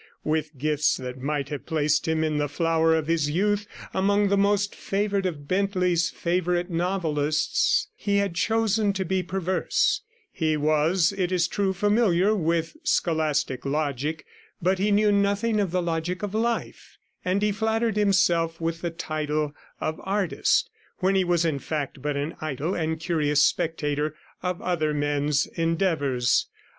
With gifts that might have placed him in the flower of his youth among the most favoured of Bentley's favourite novelists, he had chosen to be perverse; he was, it is true, familiar with scholastic logic, but he knew nothing of the logic of life, and he flattered himself with the title of artist, when he was in fact but an idle and curious spectator of other men's endeavours.